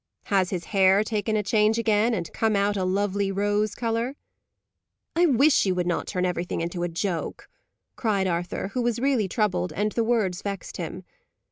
"Has his hair taken a change again, and come out a lovely rose colour?" "I wish you would not turn everything into joke," cried Arthur, who was really troubled, and the words vexed him.